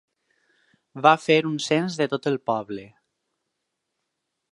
Va fer un cens de tot el poble.